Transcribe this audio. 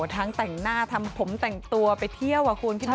ทั้งแต่งหน้าทำผมแต่งตัวไปเที่ยว